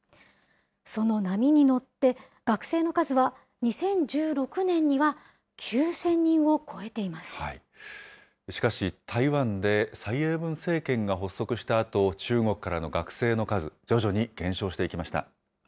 その波に乗って、学生の数は２０１６年には９０００人を超えていしかし、台湾で蔡英文政権が発足したあと、中国からの学生の数、徐々に減少していきました。